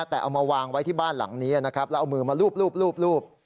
แต่เอามาวางไว้ที่บ้านหลังนี้นะครับแล้วเอามือมาลูบ